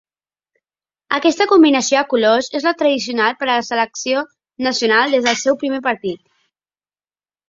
Aquesta combinació de colors és la tradicional per a la selecció nacional des del seu primer partit.